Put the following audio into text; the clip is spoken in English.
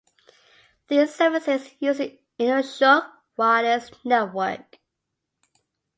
These services used the Inukshuk Wireless network.